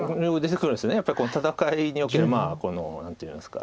やっぱりこの戦いにおける何ていうんですか。